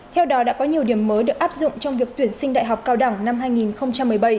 theo đó đã có nhiều điểm mới được áp dụng trong việc tuyển sinh đại học cao đẳng năm hai nghìn một mươi bảy